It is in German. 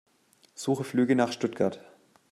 Suche Flüge nach Stuttgart.